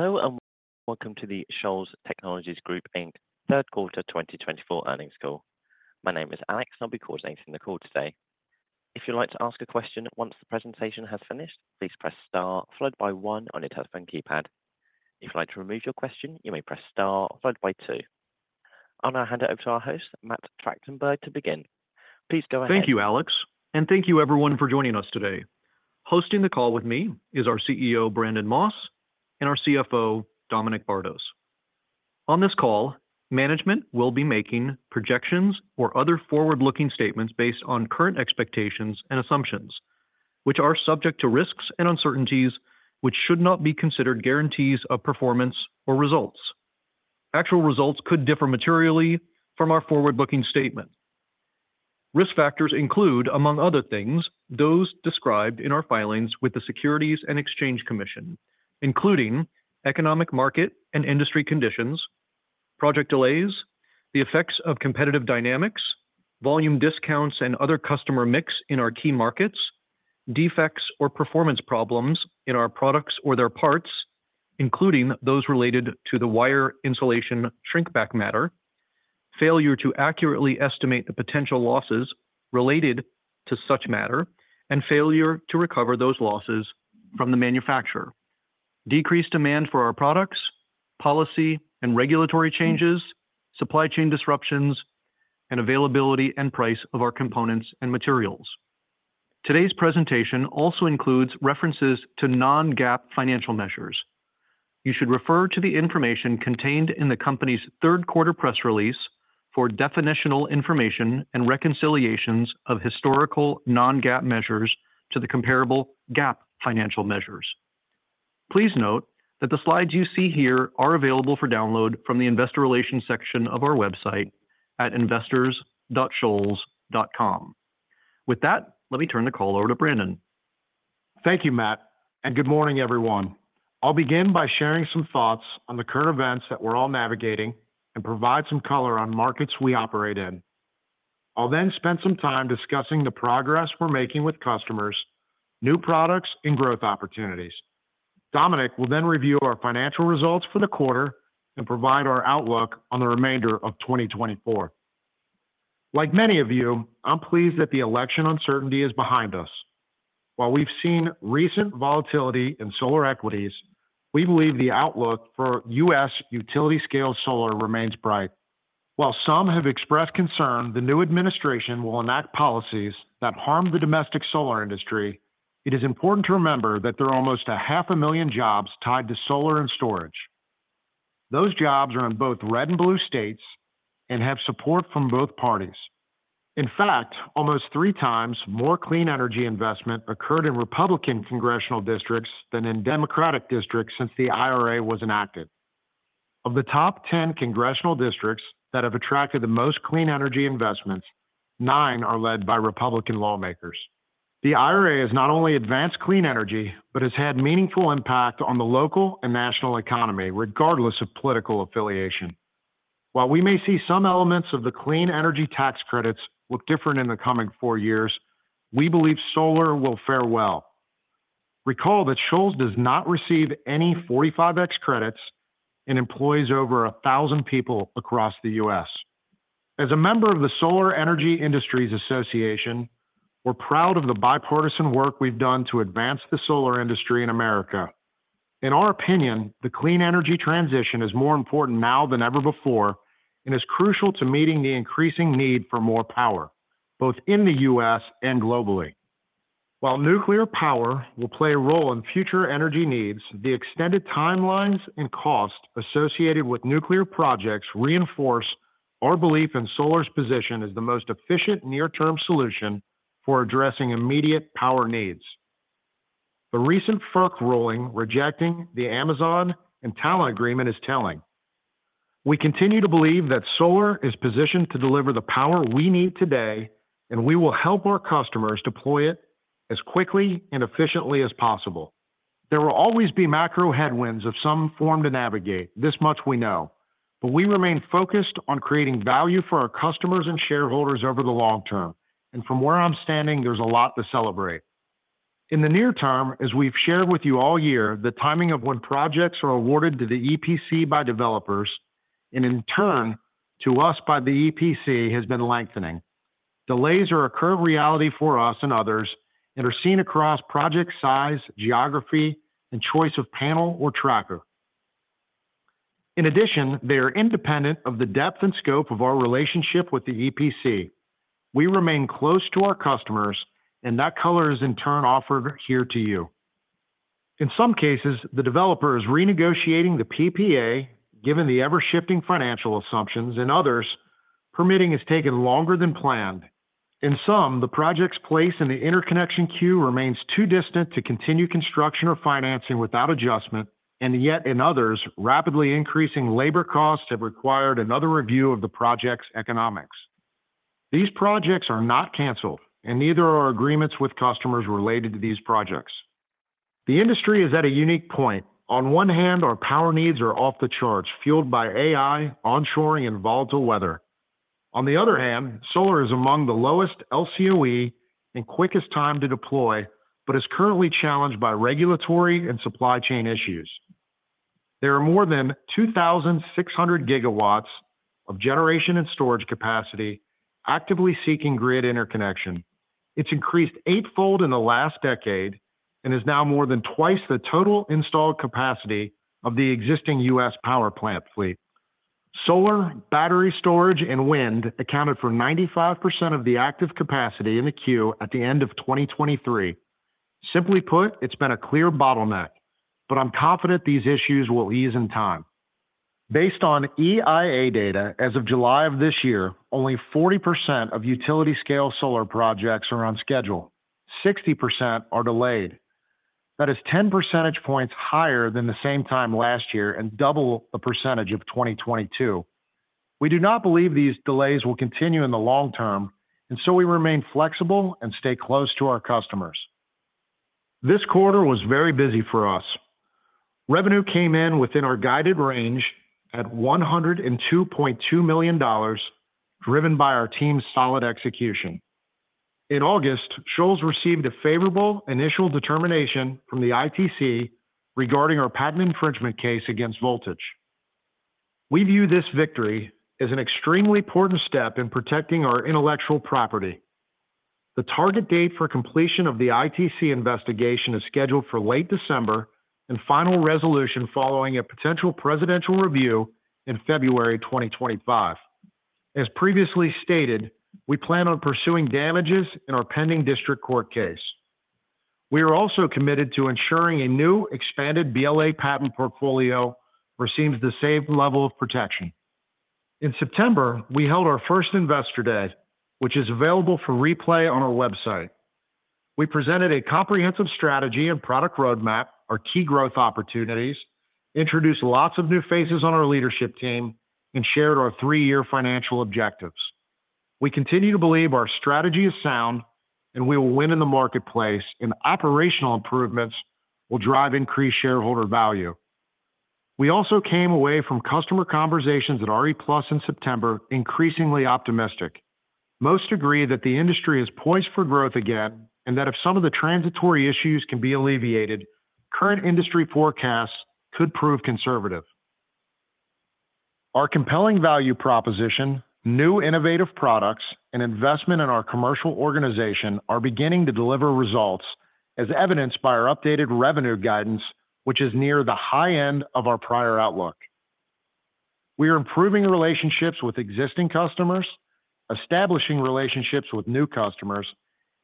Hello, and welcome to the Shoals Technologies Group, Inc. Third Quarter 2024 Earnings Call. My name is Alex, and I'll be coordinating the call today. If you'd like to ask a question once the presentation has finished, please press star followed by one on your telephone keypad. If you'd like to remove your question, you may press star followed by two. I'll now hand it over to our host, Matt Tractenberg, to begin. Please go ahead. Thank you, Alex, and thank you everyone for joining us today. Hosting the call with me is our CEO, Brandon Moss, and our CFO, Dominic Bardos. On this call, management will be making projections or other forward-looking statements based on current expectations and assumptions, which are subject to risks and uncertainties, which should not be considered guarantees of performance or results. Actual results could differ materially from our forward-looking statement. Risk factors include, among other things, those described in our filings with the Securities and Exchange Commission, including economic market and industry conditions, project delays, the effects of competitive dynamics, volume discounts and other customer mix in our key markets, defects or performance problems in our products or their parts, including those related to the wire insulation shrinkback matter, failure to accurately estimate the potential losses related to such matter, and failure to recover those losses from the manufacturer, decreased demand for our products, policy and regulatory changes, supply chain disruptions, and availability and price of our components and materials. Today's presentation also includes references to non-GAAP financial measures. You should refer to the information contained in the company's third quarter press release for definitional information and reconciliations of historical non-GAAP measures to the comparable GAAP financial measures. Please note that the slides you see here are available for download from the investor relations section of our website at investors.shoals.com. With that, let me turn the call over to Brandon. Thank you, Matt, and good morning, everyone. I'll begin by sharing some thoughts on the current events that we're all navigating and provide some color on markets we operate in. I'll then spend some time discussing the progress we're making with customers, new products, and growth opportunities. Dominic will then review our financial results for the quarter and provide our outlook on the remainder of 2024. Like many of you, I'm pleased that the election uncertainty is behind us. While we've seen recent volatility in solar equities, we believe the outlook for U.S. utility-scale solar remains bright. While some have expressed concern the new administration will enact policies that harm the domestic solar industry, it is important to remember that there are almost 500,000 jobs tied to solar and storage. Those jobs are in both red and blue states and have support from both parties. In fact, almost three times more clean energy investment occurred in Republican congressional districts than in Democratic districts since the IRA was enacted. Of the top 10 congressional districts that have attracted the most clean energy investments, nine are led by Republican lawmakers. The IRA has not only advanced clean energy but has had a meaningful impact on the local and national economy, regardless of political affiliation. While we may see some elements of the clean energy tax credits look different in the coming four years, we believe solar will fare well. Recall that Shoals does not receive any 45X credits and employs over 1,000 people across the U.S. As a member of the Solar Energy Industries Association, we're proud of the bipartisan work we've done to advance the solar industry in America. In our opinion, the clean energy transition is more important now than ever before and is crucial to meeting the increasing need for more power, both in the U.S. and globally. While nuclear power will play a role in future energy needs, the extended timelines and costs associated with nuclear projects reinforce our belief in solar's position as the most efficient near-term solution for addressing immediate power needs. The recent FERC ruling rejecting the Amazon and Talen agreement is telling. We continue to believe that solar is positioned to deliver the power we need today, and we will help our customers deploy it as quickly and efficiently as possible. There will always be macro headwinds of some form to navigate, this much we know, but we remain focused on creating value for our customers and shareholders over the long term, and from where I'm standing, there's a lot to celebrate. In the near term, as we've shared with you all year, the timing of when projects are awarded to the EPC by developers and, in turn, to us by the EPC has been lengthening. Delays are a current reality for us and others and are seen across project size, geography, and choice of panel or tracker. In addition, they are independent of the depth and scope of our relationship with the EPC. We remain close to our customers, and that color is, in turn, offered here to you. In some cases, the developer is renegotiating the PPA given the ever-shifting financial assumptions, and others, permitting has taken longer than planned. In some, the project's place in the interconnection queue remains too distant to continue construction or financing without adjustment, and yet in others, rapidly increasing labor costs have required another review of the project's economics. These projects are not canceled, and neither are agreements with customers related to these projects. The industry is at a unique point. On one hand, our power needs are off the charts, fueled by AI, onshoring, and volatile weather. On the other hand, solar is among the lowest LCOE and quickest time to deploy but is currently challenged by regulatory and supply chain issues. There are more than 2,600 gigawatts of generation and storage capacity actively seeking grid interconnection. It's increased eightfold in the last decade and is now more than twice the total installed capacity of the existing U.S. power plant fleet. Solar, battery storage, and wind accounted for 95% of the active capacity in the queue at the end of 2023. Simply put, it's been a clear bottleneck, but I'm confident these issues will ease in time. Based on EIA data, as of July of this year, only 40% of utility-scale solar projects are on schedule. 60% are delayed. That is 10 percentage points higher than the same time last year and double the percentage of 2022. We do not believe these delays will continue in the long term, and so we remain flexible and stay close to our customers. This quarter was very busy for us. Revenue came in within our guided range at $102.2 million, driven by our team's solid execution. In August, Shoals received a favorable initial determination from the ITC regarding our patent infringement case against Voltage. We view this victory as an extremely important step in protecting our intellectual property. The target date for completion of the ITC investigation is scheduled for late December, and final resolution following a potential presidential review in February 2025. As previously stated, we plan on pursuing damages in our pending district court case. We are also committed to ensuring a new expanded BLA patent portfolio receives the same level of protection. In September, we held our first Investor Day, which is available for replay on our website. We presented a comprehensive strategy and product roadmap, our key growth opportunities, introduced lots of new faces on our leadership team, and shared our three-year financial objectives. We continue to believe our strategy is sound, and we will win in the marketplace, and operational improvements will drive increased shareholder value. We also came away from customer conversations at RE+ in September increasingly optimistic. Most agree that the industry is poised for growth again and that if some of the transitory issues can be alleviated, current industry forecasts could prove conservative. Our compelling value proposition, new innovative products, and investment in our commercial organization are beginning to deliver results, as evidenced by our updated revenue guidance, which is near the high end of our prior outlook. We are improving relationships with existing customers, establishing relationships with new customers,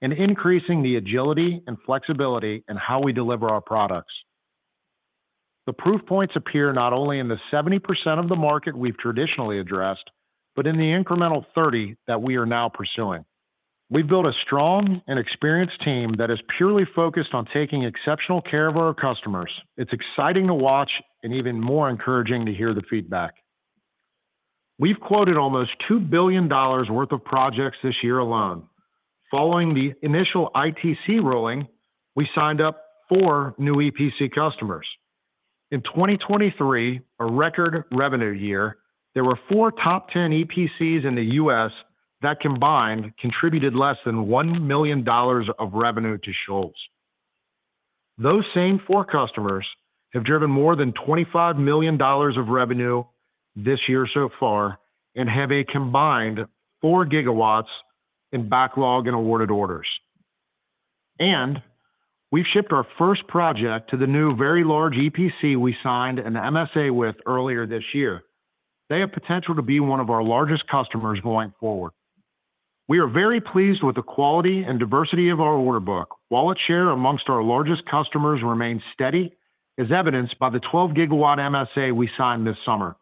and increasing the agility and flexibility in how we deliver our products. The proof points appear not only in the 70% of the market we've traditionally addressed but in the incremental 30% that we are now pursuing. We've built a strong and experienced team that is purely focused on taking exceptional care of our customers. It's exciting to watch and even more encouraging to hear the feedback. We've quoted almost $2 billion worth of projects this year alone. Following the initial ITC ruling, we signed up four new EPC customers. In 2023, a record revenue year, there were four top 10 EPCs in the U.S. that combined contributed less than $1 million of revenue to Shoals. Those same four customers have driven more than $25 million of revenue this year so far and have a combined 4 gigawatts in backlog and awarded orders. And we've shipped our first project to the new very large EPC we signed an MSA with earlier this year. They have potential to be one of our largest customers going forward. We are very pleased with the quality and diversity of our order book. While its share amongst our largest customers remains steady, as evidenced by the 12-gigawatt MSA we signed this summer,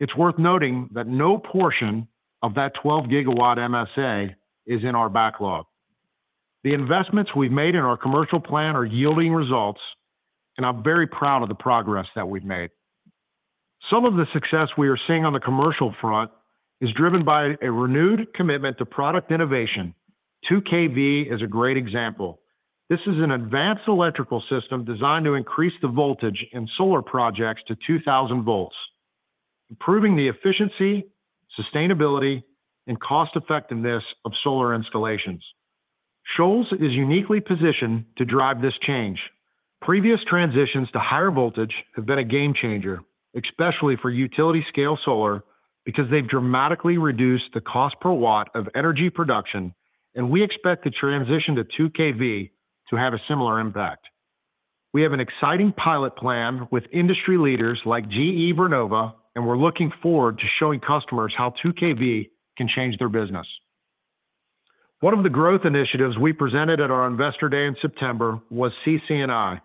it's worth noting that no portion of that 12-gigawatt MSA is in our backlog. The investments we've made in our commercial plan are yielding results, and I'm very proud of the progress that we've made. Some of the success we are seeing on the commercial front is driven by a renewed commitment to product innovation. 2kV is a great example. This is an advanced electrical system designed to increase the Voltage in solar projects to 2,000 volts, improving the efficiency, sustainability, and cost-effectiveness of solar installations. Shoals is uniquely positioned to drive this change. Previous transitions to higher Voltage have been a game changer, especially for utility-scale solar, because they've dramatically reduced the cost per watt of energy production, and we expect the transition to 2kV to have a similar impact. We have an exciting pilot plan with industry leaders like GE Vernova, and we're looking forward to showing customers how 2kV can change their business. One of the growth initiatives we presented at our Investor Day in September was CC&I.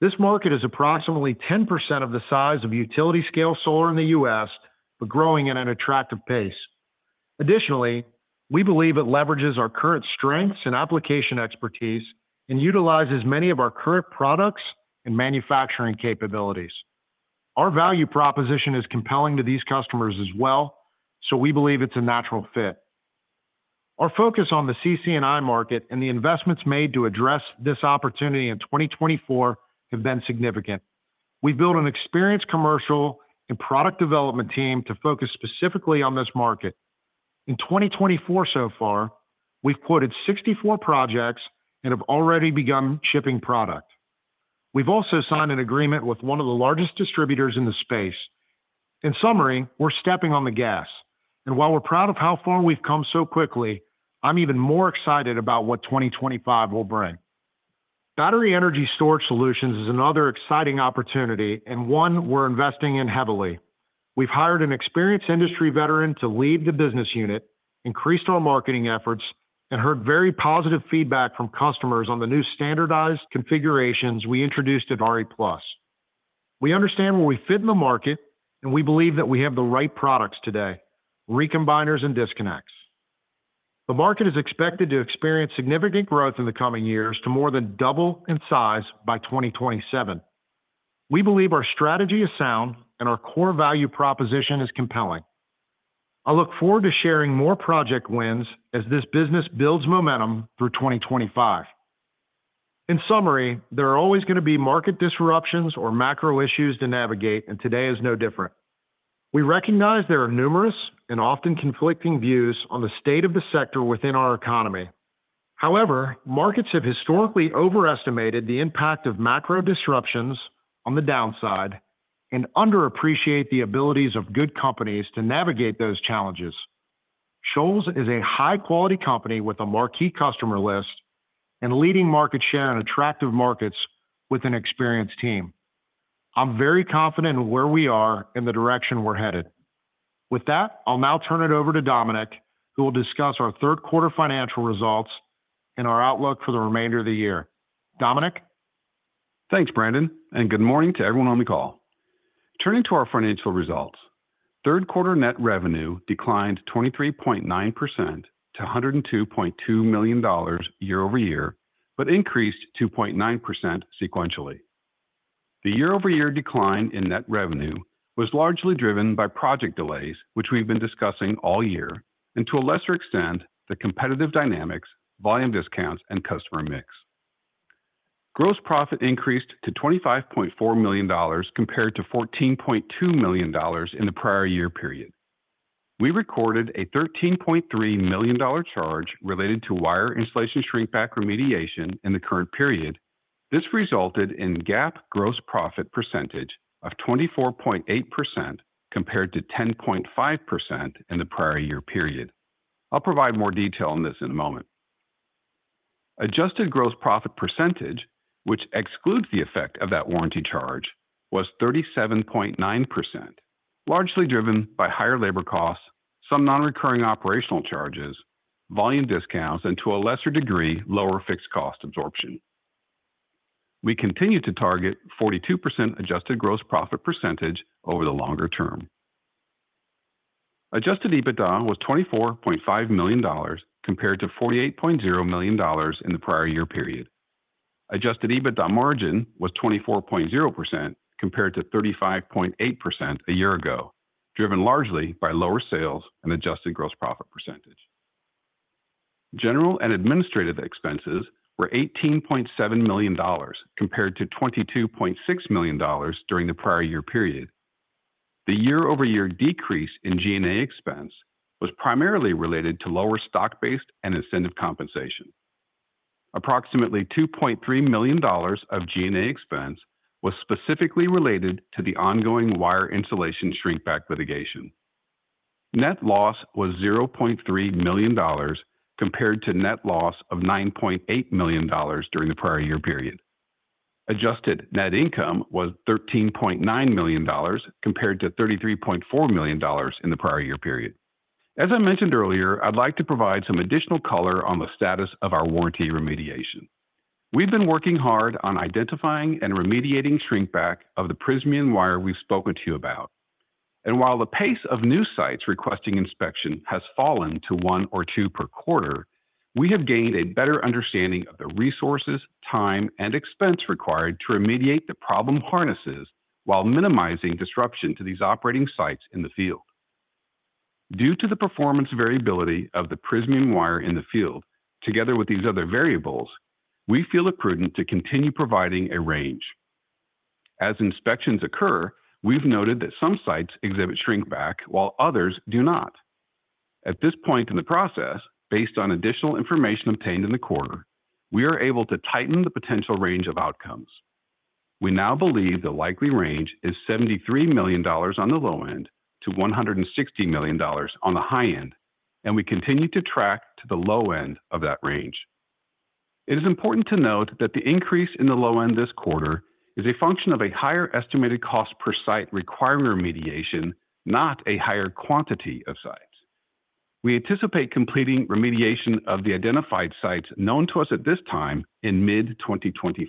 This market is approximately 10% of the size of utility-scale solar in the U.S., but growing at an attractive pace. Additionally, we believe it leverages our current strengths and application expertise and utilizes many of our current products and manufacturing capabilities. Our value proposition is compelling to these customers as well, so we believe it's a natural fit. Our focus on the CC&I market and the investments made to address this opportunity in 2024 have been significant. We've built an experienced commercial and product development team to focus specifically on this market. In 2024 so far, we've quoted 64 projects and have already begun shipping product. We've also signed an agreement with one of the largest distributors in the space. In summary, we're stepping on the gas, and while we're proud of how far we've come so quickly, I'm even more excited about what 2025 will bring. Battery energy storage solutions is another exciting opportunity and one we're investing in heavily. We've hired an experienced industry veteran to lead the business unit, increased our marketing efforts, and heard very positive feedback from customers on the new standardized configurations we introduced at RE+. We understand where we fit in the market, and we believe that we have the right products today: recombiners and disconnects. The market is expected to experience significant growth in the coming years to more than double in size by 2027. We believe our strategy is sound, and our core value proposition is compelling. I look forward to sharing more project wins as this business builds momentum through 2025. In summary, there are always going to be market disruptions or macro issues to navigate, and today is no different. We recognize there are numerous and often conflicting views on the state of the sector within our economy. However, markets have historically overestimated the impact of macro disruptions on the downside and underappreciate the abilities of good companies to navigate those challenges. Shoals is a high-quality company with a marquee customer list and leading market share in attractive markets with an experienced team. I'm very confident in where we are and the direction we're headed. With that, I'll now turn it over to Dominic, who will discuss our third quarter financial results and our outlook for the remainder of the year. Dominic? Thanks, Brandon, and good morning to everyone on the call. Turning to our financial results, third quarter net revenue declined 23.9% to $102.2 million year over year, but increased 2.9% sequentially. The year-over-year decline in net revenue was largely driven by project delays, which we've been discussing all year, and to a lesser extent, the competitive dynamics, volume discounts, and customer mix. Gross profit increased to $25.4 million compared to $14.2 million in the prior year period. We recorded a $13.3 million charge related to wire insulation shrinkback remediation in the current period. This resulted in GAAP gross profit percentage of 24.8% compared to 10.5% in the prior year period. I'll provide more detail on this in a moment. Adjusted gross profit percentage, which excludes the effect of that warranty charge, was 37.9%, largely driven by higher labor costs, some non-recurring operational charges, volume discounts, and to a lesser degree, lower fixed cost absorption. We continue to target 42% adjusted gross profit percentage over the longer term. Adjusted EBITDA was $24.5 million compared to $48.0 million in the prior year period. Adjusted EBITDA margin was 24.0% compared to 35.8% a year ago, driven largely by lower sales and adjusted gross profit percentage. General and administrative expenses were $18.7 million compared to $22.6 million during the prior year period. The year-over-year decrease in G&A expense was primarily related to lower stock-based and incentive compensation. Approximately $2.3 million of G&A expense was specifically related to the ongoing wire insulation shrinkback litigation. Net loss was $0.3 million compared to net loss of $9.8 million during the prior year period. Adjusted net income was $13.9 million compared to $33.4 million in the prior year period. As I mentioned earlier, I'd like to provide some additional color on the status of our warranty remediation. We've been working hard on identifying and remediating shrinkback of the Prysmian wire we've spoken to you about, and while the pace of new sites requesting inspection has fallen to one or two per quarter, we have gained a better understanding of the resources, time, and expense required to remediate the problem harnesses while minimizing disruption to these operating sites in the field. Due to the performance variability of the Prysmian wire in the field, together with these other variables, we feel it prudent to continue providing a range. As inspections occur, we've noted that some sites exhibit shrinkback while others do not. At this point in the process, based on additional information obtained in the quarter, we are able to tighten the potential range of outcomes. We now believe the likely range is $73 million on the low end to $160 million on the high end, and we continue to track to the low end of that range. It is important to note that the increase in the low end this quarter is a function of a higher estimated cost per site requiring remediation, not a higher quantity of sites. We anticipate completing remediation of the identified sites known to us at this time in mid-2025.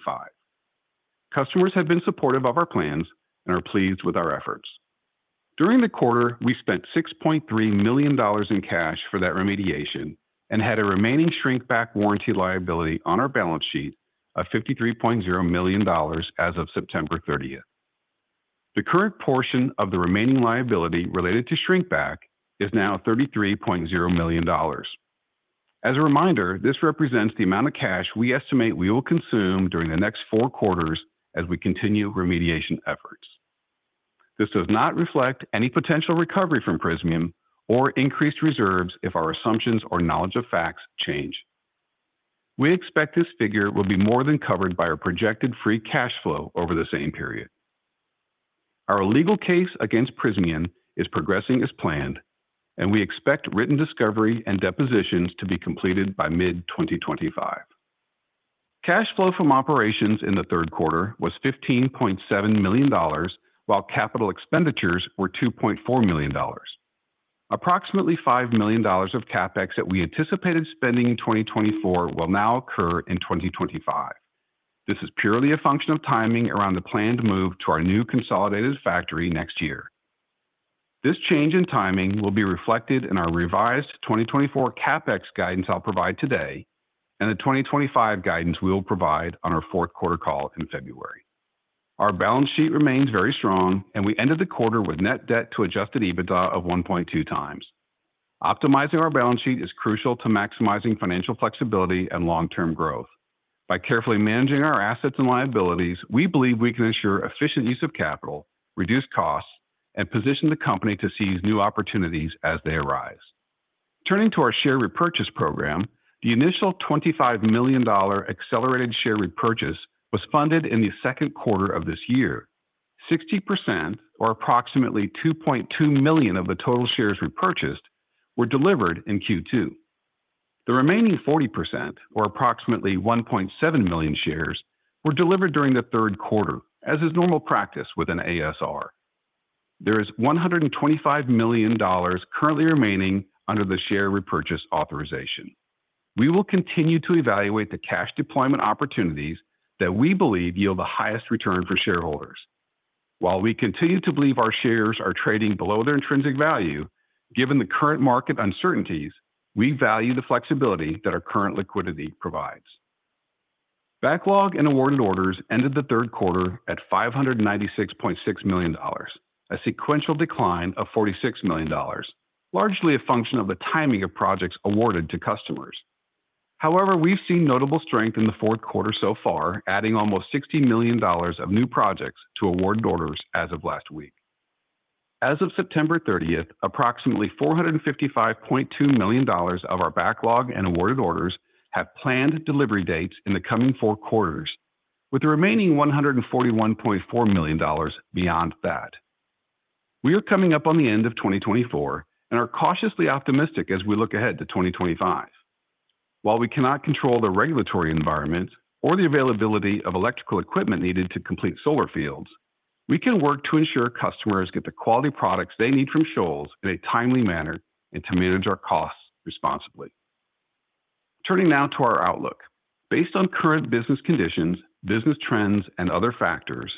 Customers have been supportive of our plans and are pleased with our efforts. During the quarter, we spent $6.3 million in cash for that remediation and had a remaining shrinkback warranty liability on our balance sheet of $53.0 million as of September 30th. The current portion of the remaining liability related to shrinkback is now $33.0 million. As a reminder, this represents the amount of cash we estimate we will consume during the next four quarters as we continue remediation efforts. This does not reflect any potential recovery from Prysmian or increased reserves if our assumptions or knowledge of facts change. We expect this figure will be more than covered by our projected free cash flow over the same period. Our legal case against Prysmian is progressing as planned, and we expect written discovery and depositions to be completed by mid-2025. Cash flow from operations in the third quarter was $15.7 million, while capital expenditures were $2.4 million. Approximately $5 million of CapEx that we anticipated spending in 2024 will now occur in 2025. This is purely a function of timing around the planned move to our new consolidated factory next year. This change in timing will be reflected in our revised 2024 CapEx guidance I'll provide today and the 2025 guidance we'll provide on our fourth quarter call in February. Our balance sheet remains very strong, and we ended the quarter with net debt to adjusted EBITDA of 1.2 times. Optimizing our balance sheet is crucial to maximizing financial flexibility and long-term growth. By carefully managing our assets and liabilities, we believe we can ensure efficient use of capital, reduce costs, and position the company to seize new opportunities as they arise. Turning to our share repurchase program, the initial $25 million accelerated share repurchase was funded in the second quarter of this year. 60%, or approximately 2.2 million, of the total shares repurchased were delivered in Q2. The remaining 40%, or approximately 1.7 million, shares were delivered during the third quarter, as is normal practice with an ASR. There is $125 million currently remaining under the share repurchase authorization. We will continue to evaluate the cash deployment opportunities that we believe yield the highest return for shareholders. While we continue to believe our shares are trading below their intrinsic value, given the current market uncertainties, we value the flexibility that our current liquidity provides. Backlog and awarded orders ended the third quarter at $596.6 million, a sequential decline of $46 million, largely a function of the timing of projects awarded to customers. However, we've seen notable strength in the fourth quarter so far, adding almost $60 million of new projects to awarded orders as of last week. As of September 30th, approximately $455.2 million of our backlog and awarded orders have planned delivery dates in the coming four quarters, with the remaining $141.4 million beyond that. We are coming up on the end of 2024 and are cautiously optimistic as we look ahead to 2025. While we cannot control the regulatory environment or the availability of electrical equipment needed to complete solar fields, we can work to ensure customers get the quality products they need from Shoals in a timely manner and to manage our costs responsibly. Turning now to our outlook. Based on current business conditions, business trends, and other factors,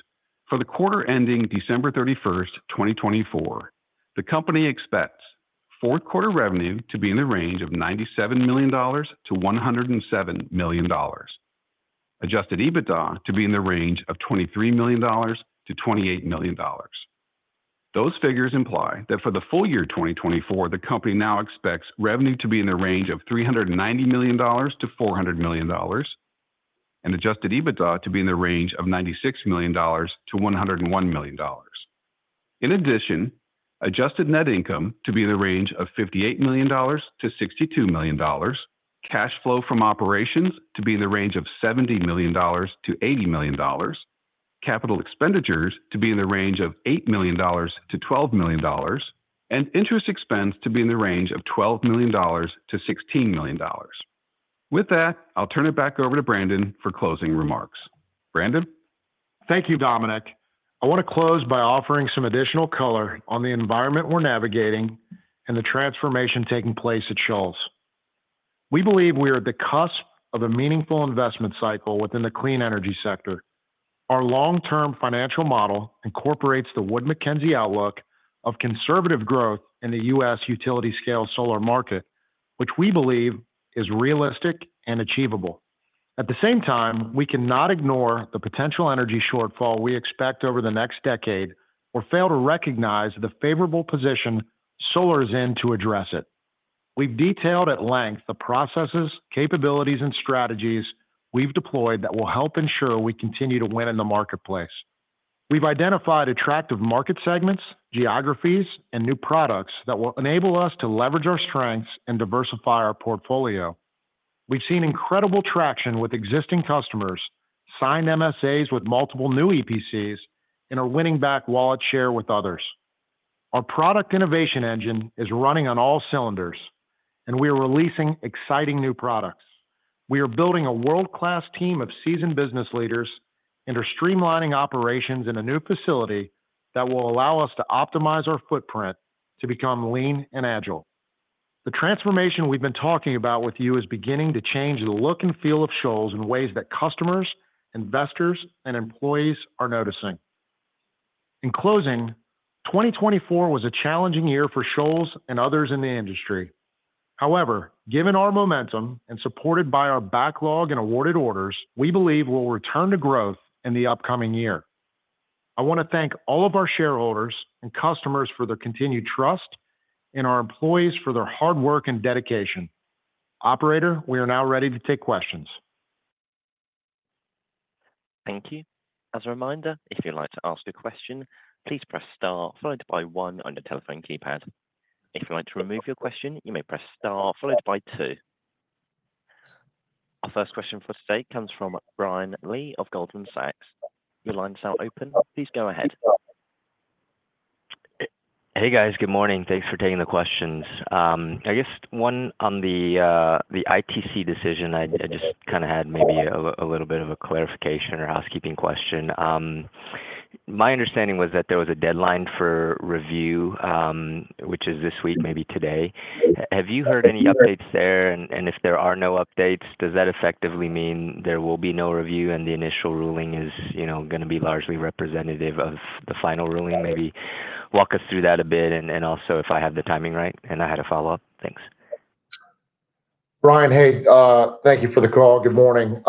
for the quarter ending December 31st, 2024, the company expects fourth quarter revenue to be in the range of $97 million-$107 million, adjusted EBITDA to be in the range of $23 million-$28 million. Those figures imply that for the full year 2024, the company now expects revenue to be in the range of $390 million to $400 million, and adjusted EBITDA to be in the range of $96 million to $101 million. In addition, adjusted net income to be in the range of $58 million to $62 million, cash flow from operations to be in the range of $70 million to $80 million, capital expenditures to be in the range of $8 million to $12 million, and interest expense to be in the range of $12 million to $16 million. With that, I'll turn it back over to Brandon for closing remarks. Brandon? Thank you, Dominic. I want to close by offering some additional color on the environment we're navigating and the transformation taking place at Shoals. We believe we are at the cusp of a meaningful investment cycle within the clean energy sector. Our long-term financial model incorporates the Wood Mackenzie outlook of conservative growth in the U.S. utility-scale solar market, which we believe is realistic and achievable. At the same time, we cannot ignore the potential energy shortfall we expect over the next decade or fail to recognize the favorable position solar is in to address it. We've detailed at length the processes, capabilities, and strategies we've deployed that will help ensure we continue to win in the marketplace. We've identified attractive market segments, geographies, and new products that will enable us to leverage our strengths and diversify our portfolio. We've seen incredible traction with existing customers, signed MSAs with multiple new EPCs, and are winning back wallet share with others. Our product innovation engine is running on all cylinders, and we are releasing exciting new products. We are building a world-class team of seasoned business leaders and are streamlining operations in a new facility that will allow us to optimize our footprint to become lean and agile. The transformation we've been talking about with you is beginning to change the look and feel of Shoals in ways that customers, investors, and employees are noticing. In closing, 2024 was a challenging year for Shoals and others in the industry. However, given our momentum and supported by our backlog and awarded orders, we believe we'll return to growth in the upcoming year. I want to thank all of our shareholders and customers for their continued trust and our employees for their hard work and dedication. Operator, we are now ready to take questions. Thank you. As a reminder, if you'd like to ask a question, please press Star, followed by 1 on your telephone keypad. If you'd like to remove your question, you may press Star, followed by 2. Our first question for today comes from Brian Lee of Goldman Sachs. Your line's now open. Please go ahead. Hey, guys. Good morning. Thanks for taking the questions. I guess one on the ITC decision, I just kind of had maybe a little bit of a clarification or housekeeping question. My understanding was that there was a deadline for review, which is this week, maybe today. Have you heard any updates there? And if there are no updates, does that effectively mean there will be no review and the initial ruling is going to be largely representative of the final ruling? Maybe walk us through that a bit, and also if I have the timing right and I had a follow-up. Thanks. Brian, hey, thank you for the call. Good morning.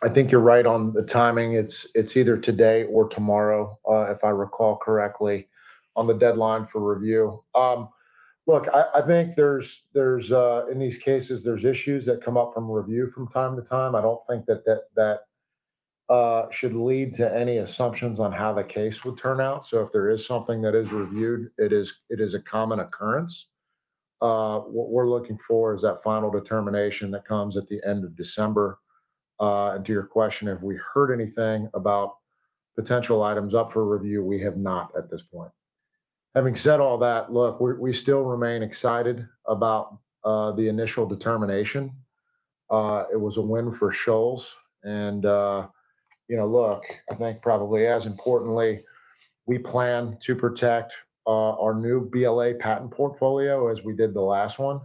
I think you're right on the timing. It's either today or tomorrow, if I recall correctly, on the deadline for review. Look, I think in these cases, there's issues that come up from review from time to time. I don't think that that should lead to any assumptions on how the case would turn out. So if there is something that is reviewed, it is a common occurrence. What we're looking for is that final determination that comes at the end of December. And to your question, have we heard anything about potential items up for review? We have not at this point. Having said all that, look, we still remain excited about the initial determination. It was a win for Shoals. And look, I think probably as importantly, we plan to protect our new BLA patent portfolio as we did the last one.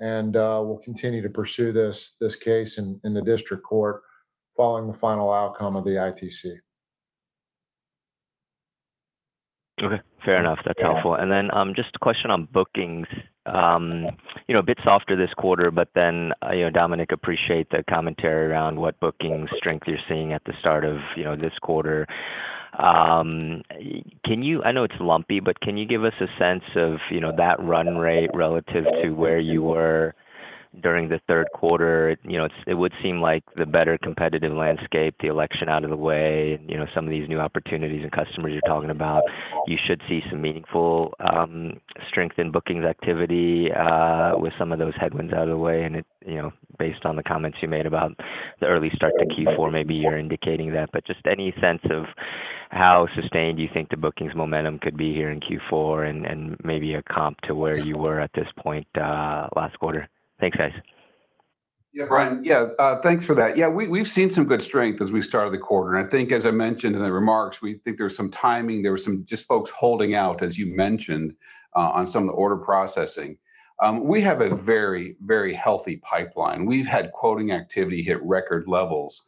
And we'll continue to pursue this case in the district court following the final outcome of the ITC. Okay. Fair enough. That's helpful. And then just a question on bookings. A bit softer this quarter, but then Dominic, appreciate the commentary around what bookings strength you're seeing at the start of this quarter. I know it's lumpy, but can you give us a sense of that run rate relative to where you were during the third quarter? It would seem like the better competitive landscape, the election out of the way, some of these new opportunities and customers you're talking about, you should see some meaningful strength in bookings activity with some of those headwinds out of the way. Based on the comments you made about the early start to Q4, maybe you're indicating that. But just any sense of how sustained you think the bookings momentum could be here in Q4 and maybe a comp to where you were at this point last quarter? Thanks, guys. Yeah, Brian. Yeah, thanks for that. Yeah, we've seen some good strength as we started the quarter. I think, as I mentioned in the remarks, we think there was some timing. There were some just folks holding out, as you mentioned, on some of the order processing. We have a very, very healthy pipeline. We've had quoting activity hit record levels.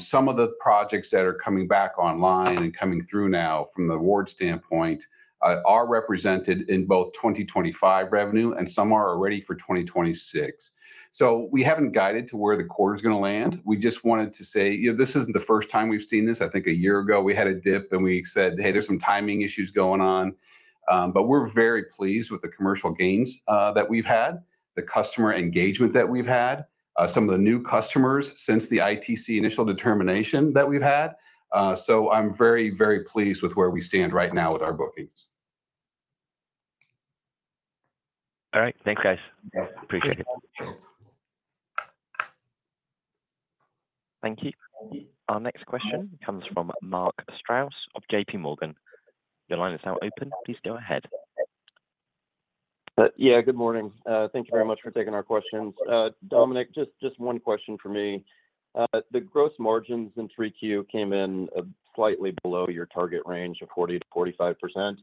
Some of the projects that are coming back online and coming through now from the award standpoint are represented in both 2025 revenue, and some are already for 2026. So we haven't guided to where the quarter is going to land. We just wanted to say, this isn't the first time we've seen this. I think a year ago, we had a dip and we said, "Hey, there's some timing issues going on." But we're very pleased with the commercial gains that we've had, the customer engagement that we've had, some of the new customers since the ITC initial determination that we've had. So I'm very, very pleased with where we stand right now with our bookings. All right. Thanks, guys. Appreciate it. Thank you. Our next question comes from Mark Strouse of J.P. Morgan. Your line is now open. Please go ahead. Yeah, good morning. Thank you very much for taking our questions. Dominic, just one question for me. The gross margins in 3Q came in slightly below your target range of 40%-45%.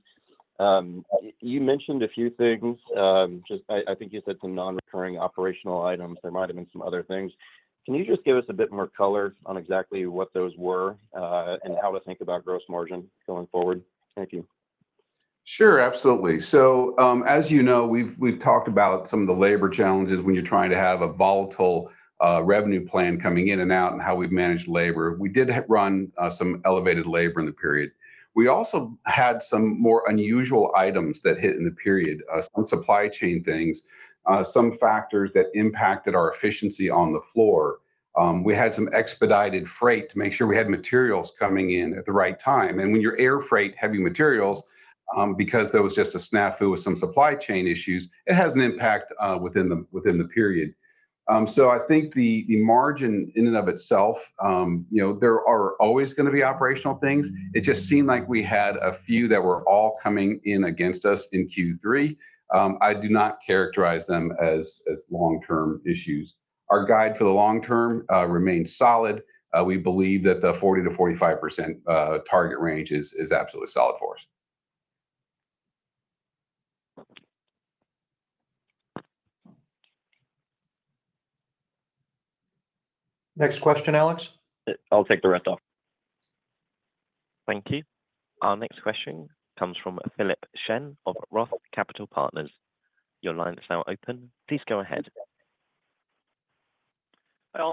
You mentioned a few things. I think you said some non-recurring operational items. There might have been some other things. Can you just give us a bit more color on exactly what those were and how to think about gross margin going forward? Thank you. Sure, absolutely. So as you know, we've talked about some of the labor challenges when you're trying to have a volatile revenue plan coming in and out and how we've managed labor. We did run some elevated labor in the period. We also had some more unusual items that hit in the period, some supply chain things, some factors that impacted our efficiency on the floor. We had some expedited freight to make sure we had materials coming in at the right time. And when you're air freight heavy materials, because there was just a snafu with some supply chain issues, it has an impact within the period. So I think the margin in and of itself, there are always going to be operational things. It just seemed like we had a few that were all coming in against us in Q3. I do not characterize them as long-term issues. Our guide for the long term remains solid. We believe that the 40%-45% target range is absolutely solid for us. Next question, Alex? I'll take the rest off. Thank you. Our next question comes from Philip Shen of Roth Capital Partners. Your line is now open. Please go ahead.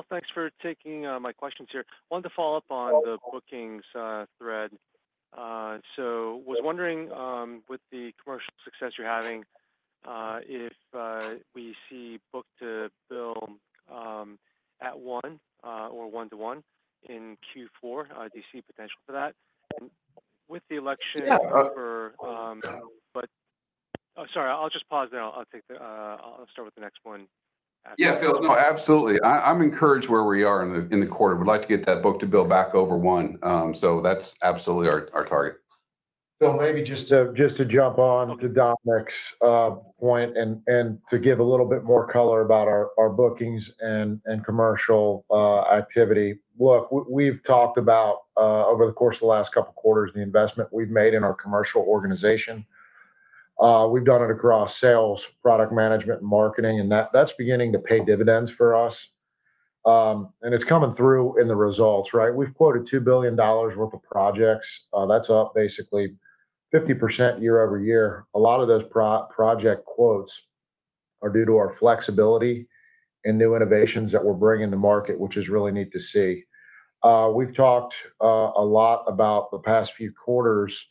Thanks for taking my questions here. I wanted to follow up on the bookings thread. So I was wondering, with the commercial success you're having, if we see book-to-bill at one or one to one in Q4, do you see potential for that? And with the election for—sorry, I'll just pause there. I'll start with the next one. Yeah, Philip, no, absolutely. I'm encouraged where we are in the quarter. We'd like to get that book-to-bill back over one. So that's absolutely our target. Well, maybe just to jump on to Dominic's point and to give a little bit more color about our bookings and commercial activity. Look, we've talked about, over the course of the last couple of quarters, the investment we've made in our commercial organization. We've done it across sales, product management, and marketing, and that's beginning to pay dividends for us. And it's coming through in the results, right? We've quoted $2 billion worth of projects. That's up basically 50% year over year. A lot of those project quotes are due to our flexibility and new innovations that we're bringing to market, which is really neat to see. We've talked a lot about the past few quarters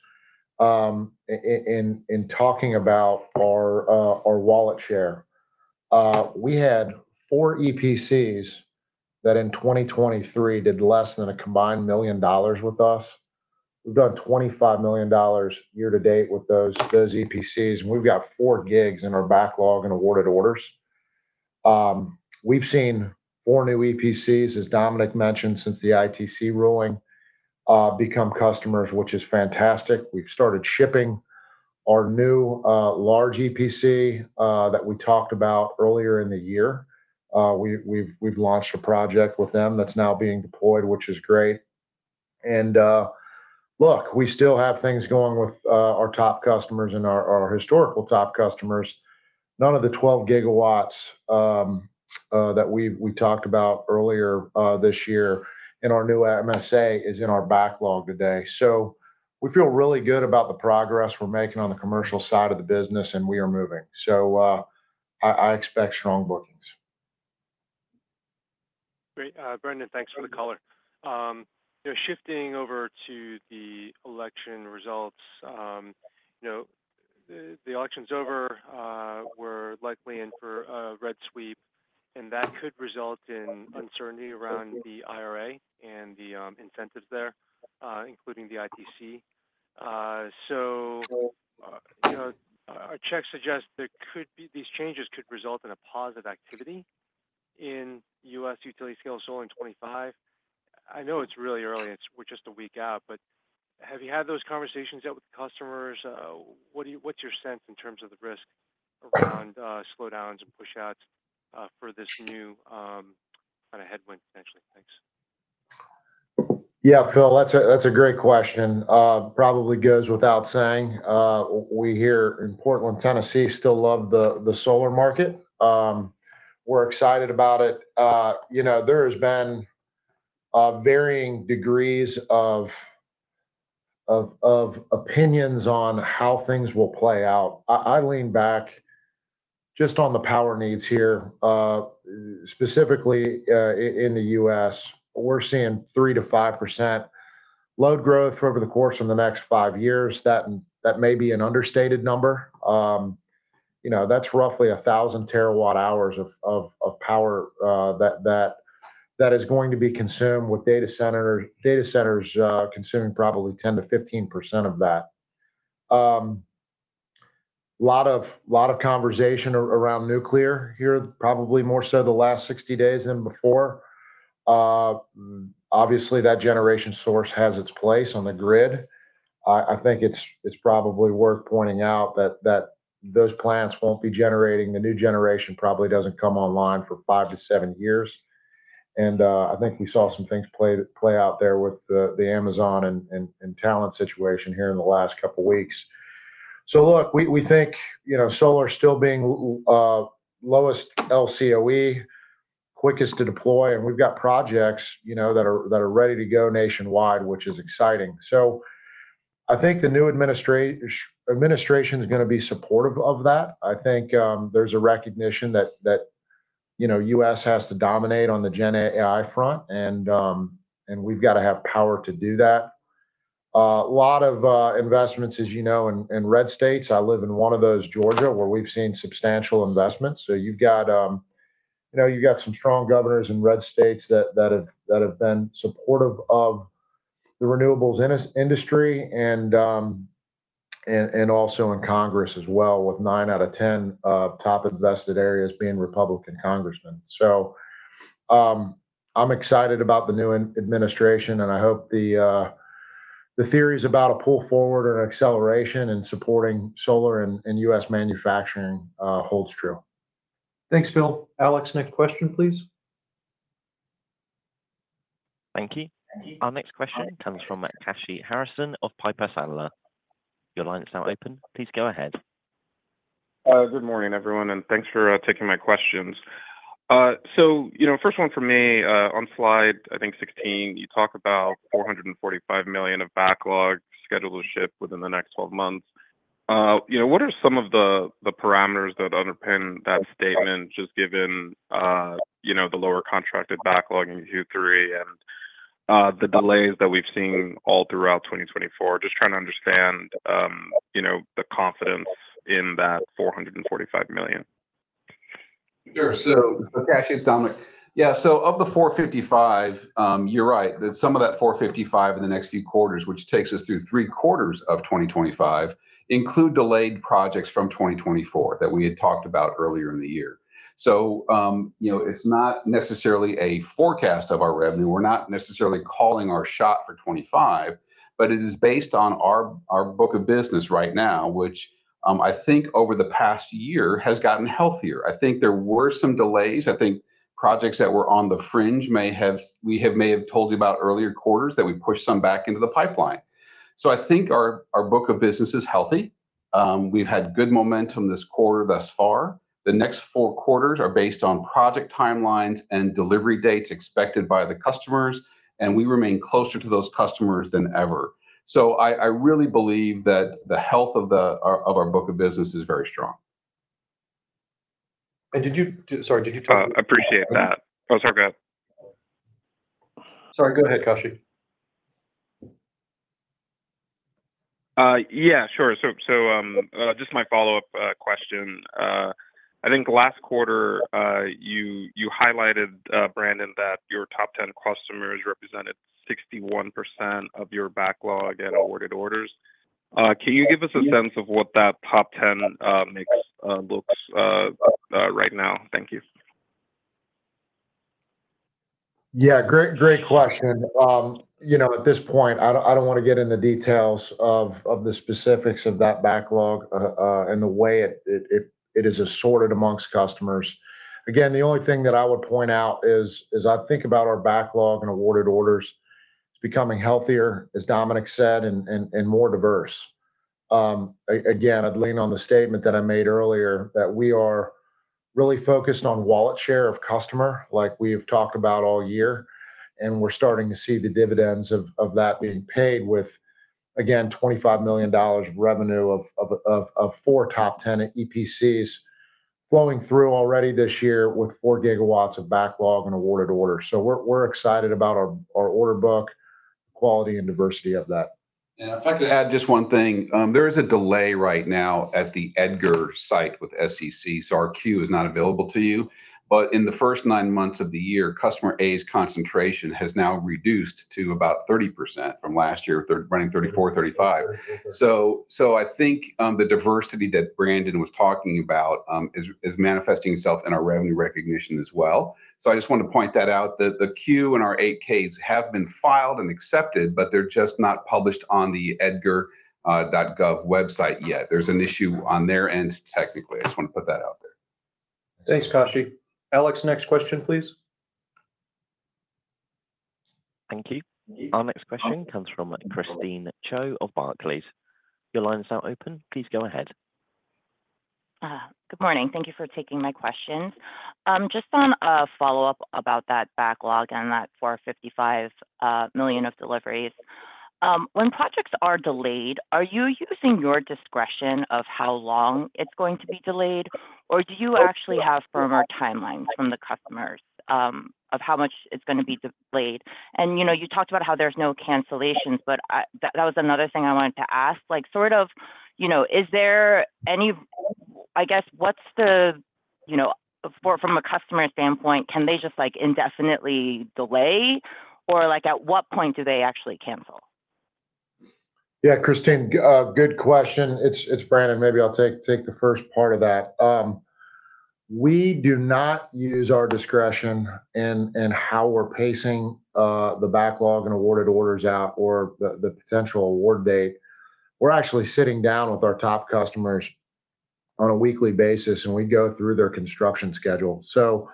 in talking about our wallet share. We had four EPCs that in 2023 did less than a combined million dollars with us. We've done $25 million year to date with those EPCs, and we've got four gigs in our backlog and awarded orders. We've seen four new EPCs, as Dominic mentioned, since the ITC ruling, become customers, which is fantastic. We've started shipping our new large EPC that we talked about earlier in the year. We've launched a project with them that's now being deployed, which is great. Look, we still have things going with our top customers and our historical top customers. None of the 12 gigawatts that we talked about earlier this year in our new MSA is in our backlog today. So we feel really good about the progress we're making on the commercial side of the business, and we are moving. So I expect strong bookings. Great. Brandon, thanks for the color. Shifting over to the election results. The election's over. We're likely in for a red sweep, and that could result in uncertainty around the IRA and the incentives there, including the ITC. So our checks suggest these changes could result in a positive activity in U.S. utility-scale solar in 2025. I know it's really early. We're just a week out. But have you had those conversations yet with the customers? What's your sense in terms of the risk around slowdowns and push-outs for this new kind of headwind, potentially? Thanks. Yeah, Phil, that's a great question. Probably goes without saying. We here in Portland, Tennessee, still love the solar market. We're excited about it. There has been varying degrees of opinions on how things will play out. I lean back just on the power needs here, specifically in the U.S. We're seeing 3%-5% load growth over the course of the next five years. That may be an understated number. That's roughly 1,000 terawatt-hours of power that is going to be consumed with data centers consuming probably 10%-15% of that. A lot of conversation around nuclear here, probably more so the last 60 days than before. Obviously, that generation source has its place on the grid. I think it's probably worth pointing out that those plants won't be generating. The new generation probably doesn't come online for five to seven years. I think we saw some things play out there with the Amazon and Talen situation here in the last couple of weeks. Look, we think solar is still being lowest LCOE, quickest to deploy. We've got projects that are ready to go nationwide, which is exciting. I think the new administration is going to be supportive of that. I think there's a recognition that the U.S. has to dominate on the GenAI front, and we've got to have power to do that. A lot of investments, as you know, in red states. I live in one of those, Georgia, where we've seen substantial investments. You've got some strong governors in red states that have been supportive of the renewables industry and also in Congress as well, with nine out of 10 top invested areas being Republican congressional districts. So I'm excited about the new administration, and I hope the theories about a pull forward or an acceleration in supporting solar and U.S. manufacturing hold true. Thanks, Phil. Alex, next question, please. Thank you. Our next question comes from Kashy Harrison of Piper Sandler. Your line is now open. Please go ahead. Good morning, everyone, and thanks for taking my questions. So first one for me on slide, I think, 16, you talk about $445 million of backlog scheduled to ship within the next 12 months. What are some of the parameters that underpin that statement, just given the lower contracted backlog in Q3 and the delays that we've seen all throughout 2024? Just trying to understand the confidence in that $445 million. Sure. So Kashy, it's Dominic. Yeah. So of the 455, you're right that some of that 455 in the next few quarters, which takes us through three quarters of 2025, include delayed projects from 2024 that we had talked about earlier in the year. So it's not necessarily a forecast of our revenue. We're not necessarily calling our shot for 2025, but it is based on our book of business right now, which I think over the past year has gotten healthier. I think there were some delays. I think projects that were on the fringe we may have told you about earlier quarters that we pushed some back into the pipeline. So I think our book of business is healthy. We've had good momentum this quarter thus far. The next four quarters are based on project timelines and delivery dates expected by the customers, and we remain closer to those customers than ever. So I really believe that the health of our book of business is very strong. Did you talk? Sorry. I appreciate that. I'm sorry about that. Sorry, go ahead, Kashy. Yeah, sure. So just my follow-up question. I think last quarter, you highlighted, Brandon, that your top 10 customers represented 61% of your backlog and awarded orders. Can you give us a sense of what that top 10 mix looks like right now? Thank you. Yeah, great question. At this point, I don't want to get into details of the specifics of that backlog and the way it is assorted amongst customers. Again, the only thing that I would point out is I think about our backlog and awarded orders becoming healthier, as Dominic said, and more diverse. Again, I'd lean on the statement that I made earlier that we are really focused on wallet share of customer, like we've talked about all year, and we're starting to see the dividends of that being paid with, again, $25 million of revenue of four top 10 EPCs flowing through already this year with four gigawatts of backlog and awarded orders. So we're excited about our order book, quality and diversity of that. Yeah. If I could add just one thing, there is a delay right now at the EDGAR site with SEC. So our 10-Q is not available to you. But in the first nine months of the year, customer A's concentration has now reduced to about 30% from last year, running 34%-35%. So I think the diversity that Brandon was talking about is manifesting itself in our revenue recognition as well. So I just want to point that out that the queue and our 8-Ks have been filed and accepted, but they're just not published on the edgar.gov website yet. There's an issue on their end technically. I just want to put that out there. Thanks, Kashy. Alex, next question, please. Thank you. Our next question comes from Christine Cho of Barclays. Your line is now open. Please go ahead. Good morning. Thank you for taking my questions. Just on a follow-up about that backlog and that $455 million of deliveries, when projects are delayed, are you using your discretion of how long it's going to be delayed, or do you actually have firmer timelines from the customers of how much it's going to be delayed? And you talked about how there's no cancellations, but that was another thing I wanted to ask. Sort of, is there any—I guess, what's the—from a customer standpoint, can they just indefinitely delay, or at what point do they actually cancel? Yeah, Christine, good question. It's Brandon. Maybe I'll take the first part of that. We do not use our discretion in how we're pacing the backlog and awarded orders out or the potential award date. We're actually sitting down with our top customers on a weekly basis, and we go through their construction schedule. So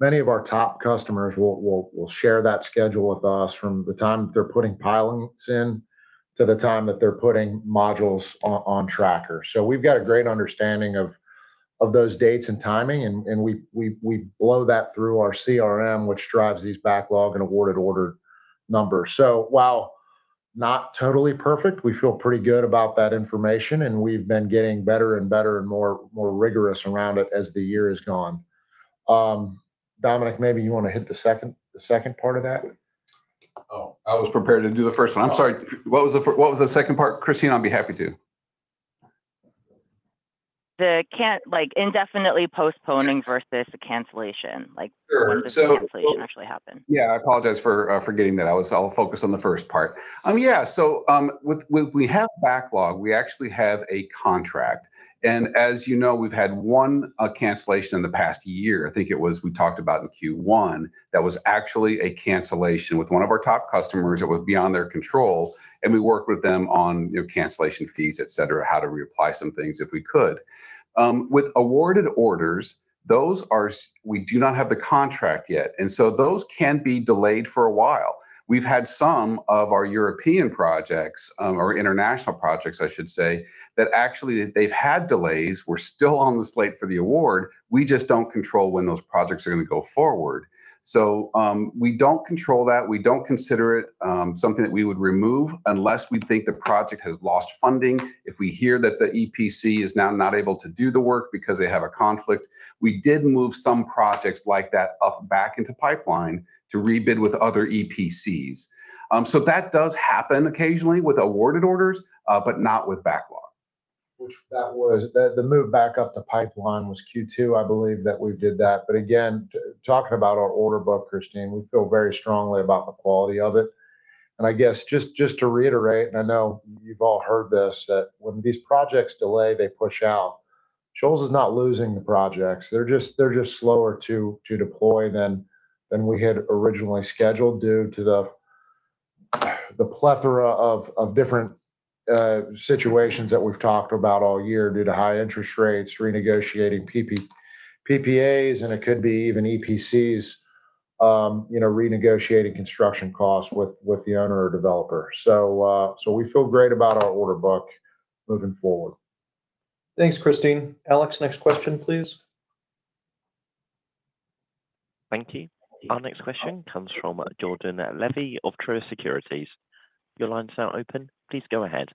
many of our top customers will share that schedule with us from the time that they're putting pilots in to the time that they're putting modules on trackers. So we've got a great understanding of those dates and timing, and we flow that through our CRM, which drives these backlog and awarded order numbers. So while not totally perfect, we feel pretty good about that information, and we've been getting better and better and more rigorous around it as the year has gone. Dominic, maybe you want to hit the second part of that? Oh, I was prepared to do the first one. I'm sorry. What was the second part, Christine? I'd be happy to. The indefinitely postponing versus the cancellation. When does the cancellation actually happen? Yeah, I apologize for getting that. I'll focus on the first part. Yeah. So we have backlog. We actually have a contract. And as you know, we've had one cancellation in the past year. I think it was we talked about in Q1 that was actually a cancellation with one of our top customers that was beyond their control, and we worked with them on cancellation fees, etc., how to reapply some things if we could. With awarded orders, we do not have the contract yet, and so those can be delayed for a while. We've had some of our European projects, or international projects, I should say, that actually they've had delays. We're still on the slate for the award. We just don't control when those projects are going to go forward, so we don't control that. We don't consider it something that we would remove unless we think the project has lost funding. If we hear that the EPC is now not able to do the work because they have a conflict, we did move some projects like that up back into pipeline to rebid with other EPCs, so that does happen occasionally with awarded orders, but not with backlog. Which that was the move back up to pipeline was Q2, I believe, that we did that. But again, talking about our order book, Christine, we feel very strongly about the quality of it. And I guess just to reiterate, and I know you've all heard this, that when these projects delay, they push out. Shoals is not losing the projects. They're just slower to deploy than we had originally scheduled due to the plethora of different situations that we've talked about all year due to high interest rates, renegotiating PPAs, and it could be even EPCs renegotiating construction costs with the owner or developer. So we feel great about our order book moving forward. Thanks, Christine. Alex, next question, please. Thank you. Our next question comes from Jordan Levy of Truist Securities. Your line is now open. Please go ahead.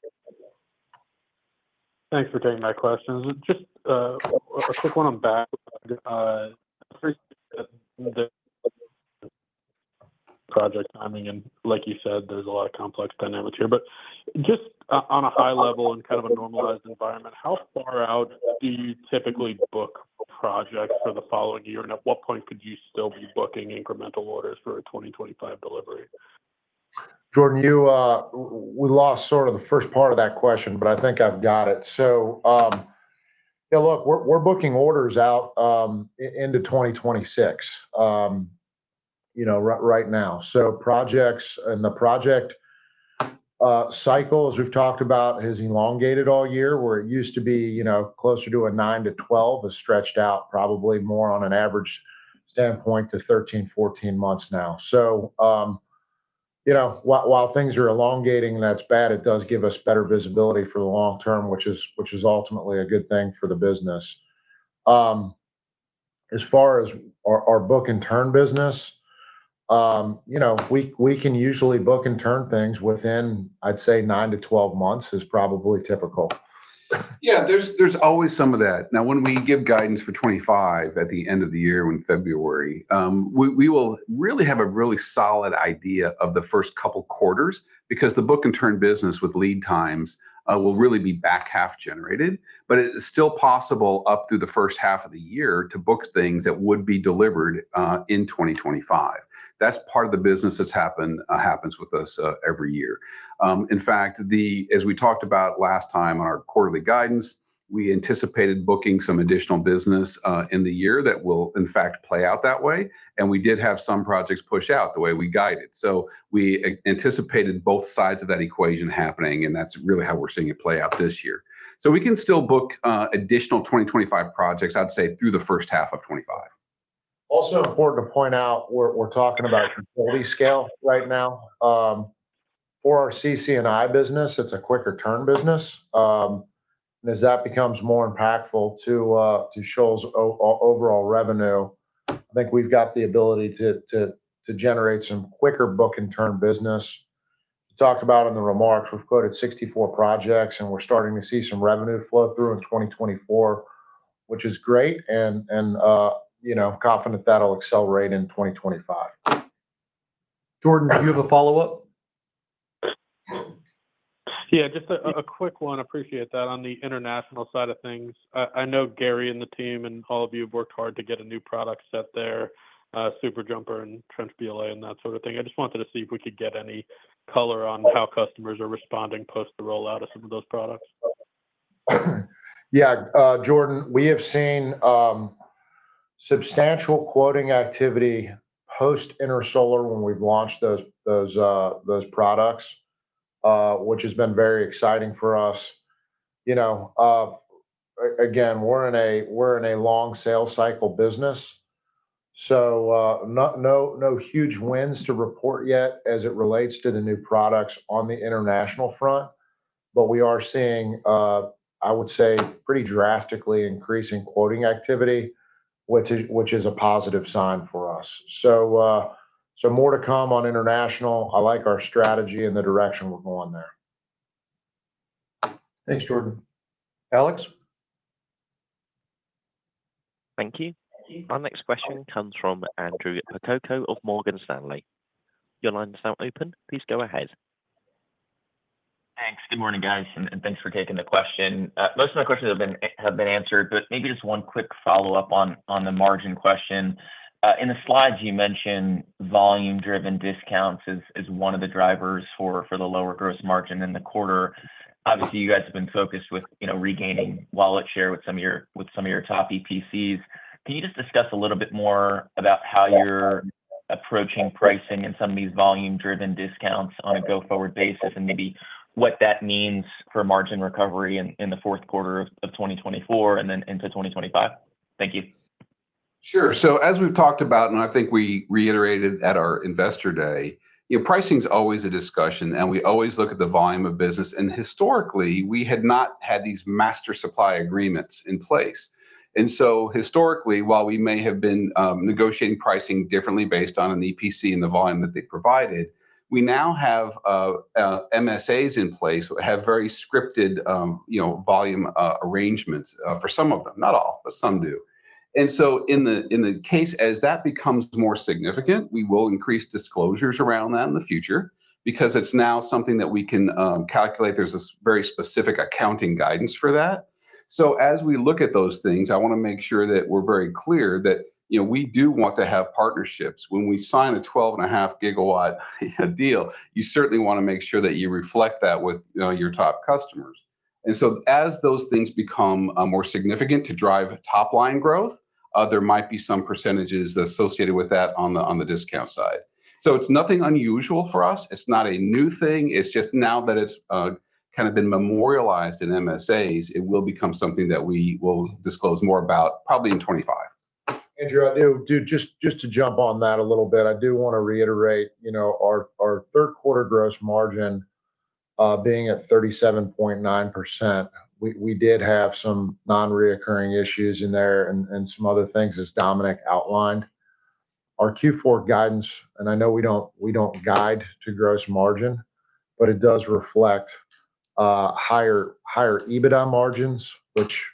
Thanks for taking my questions. Just a quick one on backlog. Project timing, and like you said, there's a lot of complex dynamics here. But just on a high level and kind of a normalized environment, how far out do you typically book projects for the following year, and at what point could you still be booking incremental orders for a 2025 delivery? Jordan, we lost sort of the first part of that question, but I think I've got it. So yeah, look, we're booking orders out into 2026 right now. So projects and the project cycle, as we've talked about, has elongated all year, where it used to be closer to a nine to 12, is stretched out probably more on an average standpoint to 13, 14 months now. So while things are elongating, that's bad. It does give us better visibility for the long term, which is ultimately a good thing for the business. As far as our book and turn business, we can usually book and turn things within, I'd say, nine to 12 months is probably typical. Yeah, there's always some of that. Now, when we give guidance for 2025 at the end of the year in February, we will really have a really solid idea of the first couple of quarters because the book and turn business with lead times will really be back half generated, but it is still possible up through the first half of the year to book things that would be delivered in 2025. That's part of the business that happens with us every year. In fact, as we talked about last time on our quarterly guidance, we anticipated booking some additional business in the year that will, in fact, play out that way. And we did have some projects push out the way we guided. So we anticipated both sides of that equation happening, and that's really how we're seeing it play out this year. So we can still book additional 2025 projects, I'd say, through the first half of 2025. Also important to point out, we're talking about utility scale right now. For our CC&I business, it's a quicker turn business. And as that becomes more impactful to Shoals' overall revenue, I think we've got the ability to generate some quicker book and turn business. We talked about in the remarks, we've quoted 64 projects, and we're starting to see some revenue flow through in 2024, which is great, and confident that'll accelerate in 2025. Jordan, do you have a follow-up? Yeah, just a quick one. I appreciate that. On the international side of things, I know Gary and the team and all of you have worked hard to get a new product set there, Super Jumper and Trenched BLA and that sort of thing. I just wanted to see if we could get any color on how customers are responding post the rollout of some of those products. Yeah, Jordan, we have seen substantial quoting activity post-Intersolar when we've launched those products, which has been very exciting for us. Again, we're in a long sales cycle business, so no huge wins to report yet as it relates to the new products on the international front, but we are seeing, I would say, pretty drastically increasing quoting activity, which is a positive sign for us. So more to come on international. I like our strategy and the direction we're going there. Thanks, Jordan. Alex? Thank you. Our next question comes from Andrew Percoco of Morgan Stanley. Your line is now open. Please go ahead. Thanks. Good morning, guys, and thanks for taking the question. Most of my questions have been answered, but maybe just one quick follow-up on the margin question. In the slides, you mentioned volume-driven discounts as one of the drivers for the lower gross margin in the quarter. Obviously, you guys have been focused with regaining wallet share with some of your top EPCs. Can you just discuss a little bit more about how you're approaching pricing and some of these volume-driven discounts on a go-forward basis, and maybe what that means for margin recovery in the fourth quarter of 2024 and then into 2025? Thank you. Sure. So as we've talked about, and I think we reiterated at our Investor Day, pricing is always a discussion, and we always look at the volume of business. And historically, we had not had these master supply agreements in place. And so historically, while we may have been negotiating pricing differently based on an EPC and the volume that they provided, we now have MSAs in place that have very scripted volume arrangements for some of them. Not all, but some do. And so in the case as that becomes more significant, we will increase disclosures around that in the future because it's now something that we can calculate. There's a very specific accounting guidance for that. So as we look at those things, I want to make sure that we're very clear that we do want to have partnerships. When we sign a 12.5-gigawatt deal, you certainly want to make sure that you reflect that with your top customers. And so as those things become more significant to drive top-line growth, there might be some percentages associated with that on the discount side. So it's nothing unusual for us. It's not a new thing. It's just now that it's kind of been memorialized in MSAs. It will become something that we will disclose more about probably in 2025. Andrew, just to jump on that a little bit, I do want to reiterate our third-quarter gross margin being at 37.9%. We did have some non-recurring issues in there and some other things, as Dominic outlined. Our Q4 guidance, and I know we don't guide to gross margin, but it does reflect higher EBITDA margins, which,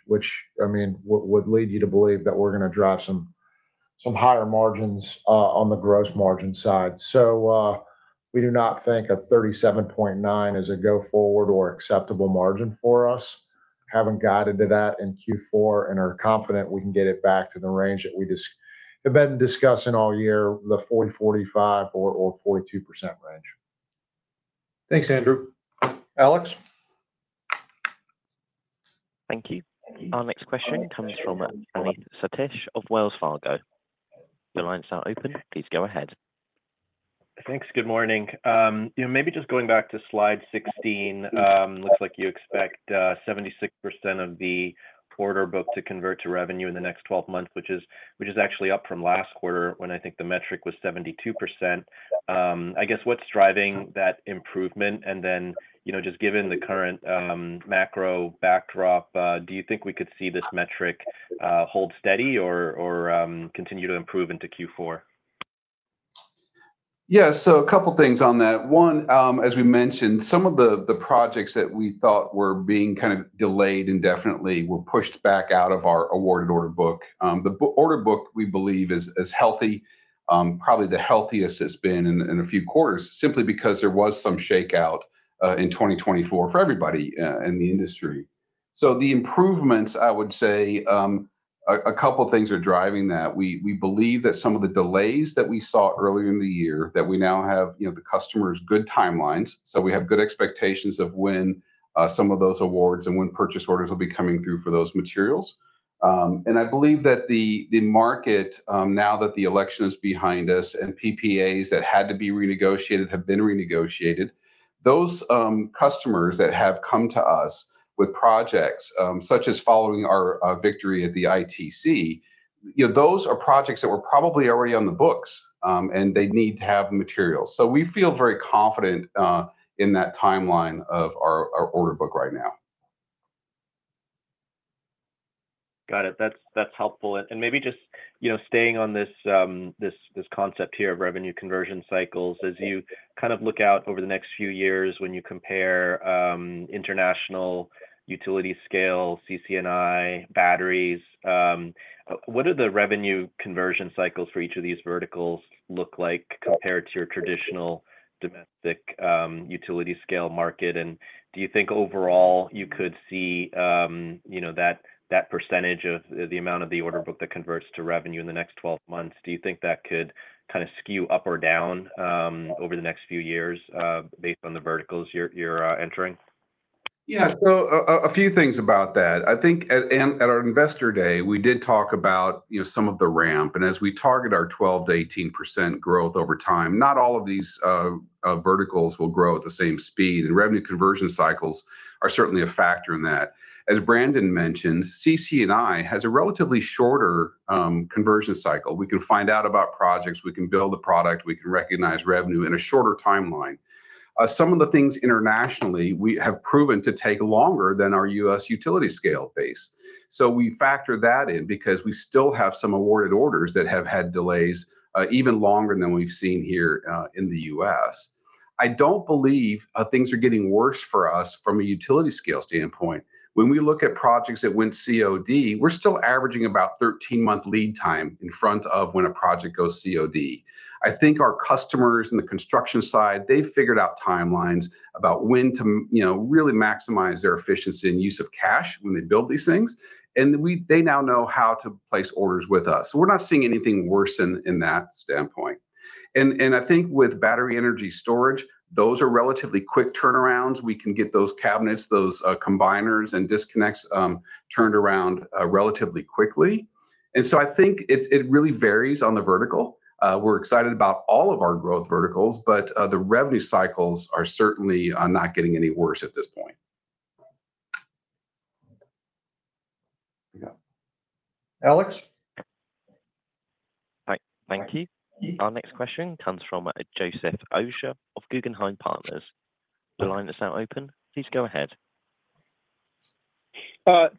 I mean, would lead you to believe that we're going to drive some higher margins on the gross margin side. So we do not think a 37.9% is a go-forward or acceptable margin for us. Haven't guided to that in Q4, and we're confident we can get it back to the range that we've been discussing all year, the 40, 45, or 42% range. Thanks, Andrew. Alex? Thank you. Our next question comes from Praneeth Satish of Wells Fargo. Your line is now open. Please go ahead. Thanks. Good morning. Maybe just going back to slide 16, looks like you expect 76% of the order book to convert to revenue in the next 12 months, which is actually up from last quarter when I think the metric was 72%. I guess what's driving that improvement? And then just given the current macro backdrop, do you think we could see this metric hold steady or continue to improve into Q4? Yeah. So a couple of things on that. One, as we mentioned, some of the projects that we thought were being kind of delayed indefinitely were pushed back out of our awarded order book. The order book, we believe, is healthy, probably the healthiest it's been in a few quarters, simply because there was some shakeout in 2024 for everybody in the industry. So the improvements, I would say, a couple of things are driving that. We believe that some of the delays that we saw earlier in the year, that we now have the customers' good timelines. So we have good expectations of when some of those awards and when purchase orders will be coming through for those materials. And I believe that the market, now that the election is behind us and PPAs that had to be renegotiated have been renegotiated, those customers that have come to us with projects such as following our victory at the ITC, those are projects that were probably already on the books, and they need to have materials. So we feel very confident in that timeline of our order book right now. Got it. That's helpful. And maybe just staying on this concept here of revenue conversion cycles, as you kind of look out over the next few years when you compare international utility scale, CC&I, batteries, what do the revenue conversion cycles for each of these verticals look like compared to your traditional domestic utility scale market? And do you think overall you could see that percentage of the amount of the order book that converts to revenue in the next 12 months? Do you think that could kind of skew up or down over the next few years based on the verticals you're entering? Yeah. So a few things about that. I think at our Investor Day, we did talk about some of the ramp. And as we target our 12%-18% growth over time, not all of these verticals will grow at the same speed. And revenue conversion cycles are certainly a factor in that. As Brandon mentioned, CC&I has a relatively shorter conversion cycle. We can find out about projects. We can build a product. We can recognize revenue in a shorter timeline. Some of the things internationally have proven to take longer than our U.S. utility scale base. So we factor that in because we still have some awarded orders that have had delays even longer than we've seen here in the U.S. I don't believe things are getting worse for us from a utility scale standpoint. When we look at projects that went COD, we're still averaging about 13-month lead time in front of when a project goes COD. I think our customers in the construction side; they've figured out timelines about when to really maximize their efficiency and use of cash when they build these things, and they now know how to place orders with us, so we're not seeing anything worse in that standpoint, and I think with battery energy storage, those are relatively quick turnarounds. We can get those cabinets, those combiners and disconnects turned around relatively quickly, and so I think it really varies on the vertical. We're excited about all of our growth verticals, but the revenue cycles are certainly not getting any worse at this point. Alex? Thank you. Our next question comes from Joseph Osha of Guggenheim Partners. The line is now open. Please go ahead.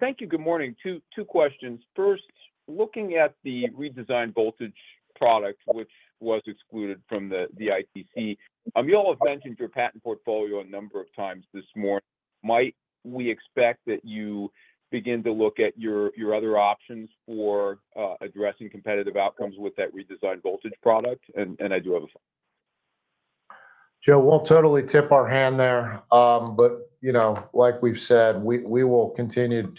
Thank you. Good morning. Two questions. First, looking at the redesigned Voltage product, which was excluded from the ITC, you all have mentioned your patent portfolio a number of times this morning. Might we expect that you begin to look at your other options for addressing competitive outcomes with that redesigned Voltage product? And I do have a follow-up. Joe, we'll totally tip our hand there. But like we've said, we will continue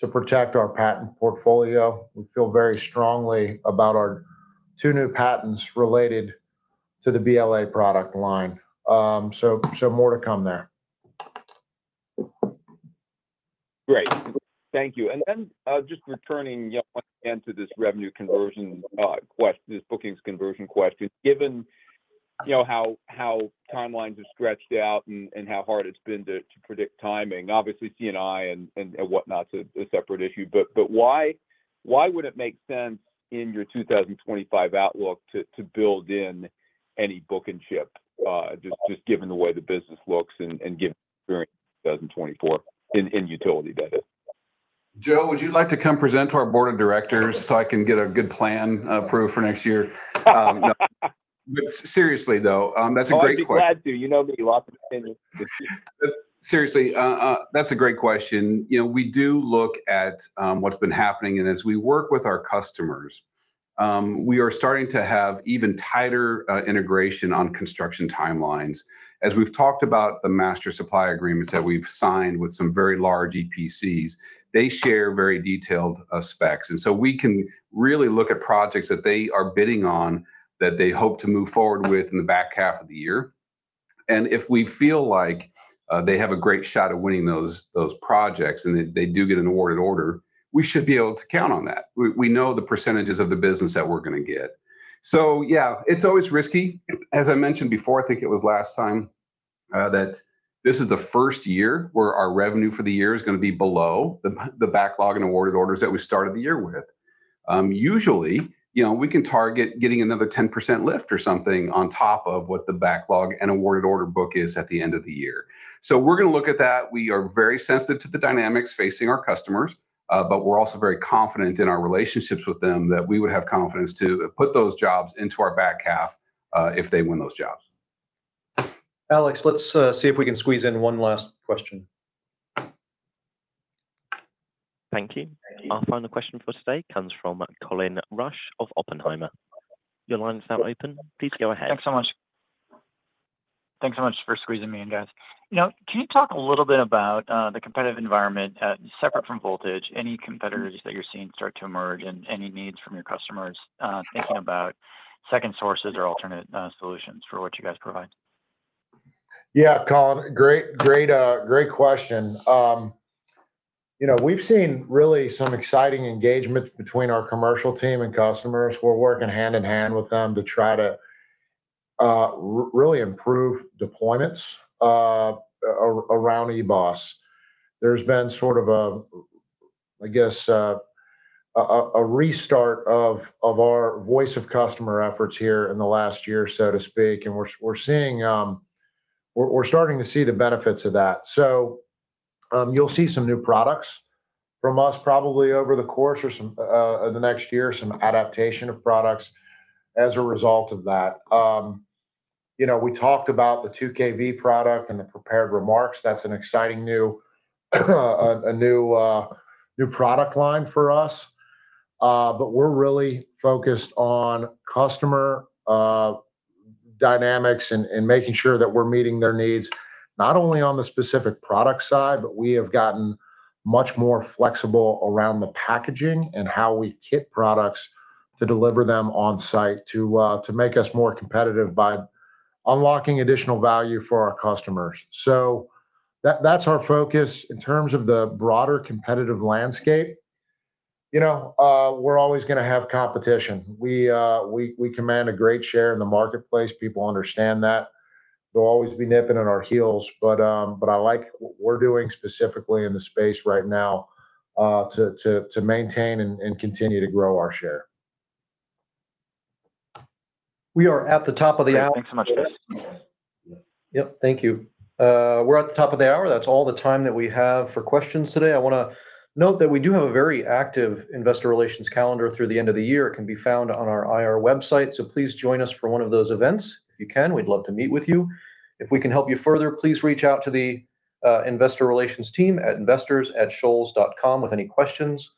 to protect our patent portfolio. We feel very strongly about our two new patents related to the BLA product line. So more to come there. Great. Thank you. And then just returning to this revenue conversion question, this bookings conversion question, given how timelines have stretched out and how hard it's been to predict timing, obviously, CC&I and whatnot is a separate issue. But why would it make sense in your 2025 outlook to build in any book-to-bill, just given the way the business looks and given the experience in 2024 in utility-scale? Joe, would you like to come present to our board of directors so I can get a good plan approved for next year? Seriously, though, that's a great question. I'd be glad to. You know, a lot of times. Seriously, that's a great question. We do look at what's been happening. And as we work with our customers, we are starting to have even tighter integration on construction timelines. As we've talked about the master supply agreements that we've signed with some very large EPCs, they share very detailed specs. We can really look at projects that they are bidding on that they hope to move forward with in the back half of the year. If we feel like they have a great shot at winning those projects and they do get an awarded order, we should be able to count on that. We know the percentages of the business that we're going to get. Yeah, it's always risky. As I mentioned before, I think it was last time that this is the first year where our revenue for the year is going to be below the backlog and awarded orders that we started the year with. Usually, we can target getting another 10% lift or something on top of what the backlog and awarded order book is at the end of the year. So we're going to look at that. We are very sensitive to the dynamics facing our customers, but we're also very confident in our relationships with them that we would have confidence to put those jobs into our back half if they win those jobs. Alex, let's see if we can squeeze in one last question. Thank you. Our final question for today comes from Colin Rusch of Oppenheimer. Your line is now open. Please go ahead. Thanks so much. Thanks so much for squeezing me in, guys. Can you talk a little bit about the competitive environment separate from Voltage? Any competitors that you're seeing start to emerge and any needs from your customers thinking about second sources or alternate solutions for what you guys provide? Yeah, Colin, great question. We've seen really some exciting engagements between our commercial team and customers. We're working hand in hand with them to try to really improve deployments around EBOS. There's been sort of, I guess, a restart of our voice of customer efforts here in the last year, so to speak. And we're starting to see the benefits of that. So you'll see some new products from us probably over the course of the next year, some adaptation of products as a result of that. We talked about the 2kV product and the prepared remarks. That's an exciting new product line for us. But we're really focused on customer dynamics and making sure that we're meeting their needs, not only on the specific product side, but we have gotten much more flexible around the packaging and how we kit products to deliver them on site to make us more competitive by unlocking additional value for our customers. So that's our focus. In terms of the broader competitive landscape, we're always going to have competition. We command a great share in the marketplace. People understand that. They'll always be nipping at our heels. But I like what we're doing specifically in the space right now to maintain and continue to grow our share. We are at the top of the hour. Thanks so much, Chris. Yep. Thank you. We're at the top of the hour. That's all the time that we have for questions today. I want to note that we do have a very active investor relations calendar through the end of the year. It can be found on our IR website. So please join us for one of those events. If you can, we'd love to meet with you. If we can help you further, please reach out to the investor relations team at investors@shoals.com with any questions.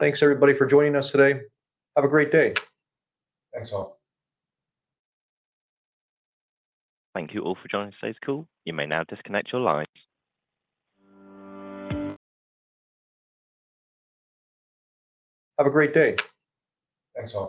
Thanks, everybody, for joining us today. Have a great day. Thanks, all. Thank you all for joining today's call. You may now disconnect your lines. Have a great day. Thanks, all.